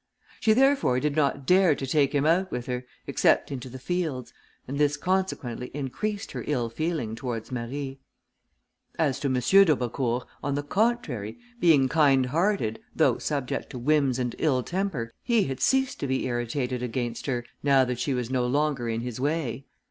She therefore did not dare to take him out with her, except into the fields, and this consequently increased her ill feeling towards Marie. As to M. d'Aubecourt, on the contrary, being kind hearted, though subject to whims and ill temper, he had ceased to be irritated against her, now that she was no longer in his way.